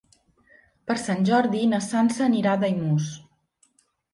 Per Sant Jordi na Sança anirà a Daimús.